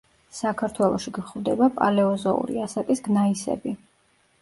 საქართველოში გვხვდება პალეოზოური ასაკის გნაისები.